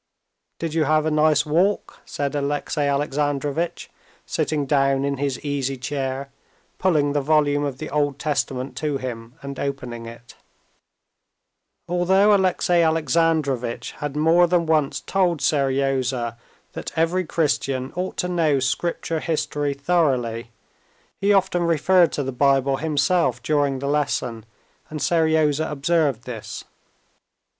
"Did you have a nice walk?" said Alexey Alexandrovitch, sitting down in his easy chair, pulling the volume of the Old Testament to him and opening it. Although Alexey Alexandrovitch had more than once told Seryozha that every Christian ought to know Scripture history thoroughly, he often referred to the Bible himself during the lesson, and Seryozha observed this.